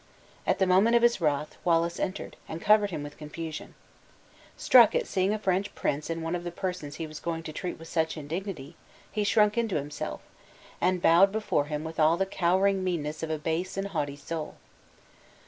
At the moment of his wrath, Wallace entered, and covered him with confusion. Struck at seeing a French prince in one of the persons he was going to treat with such indignity, he shrunk into himself, and bowed before him with all the cowering meanness of a base and haughty soul.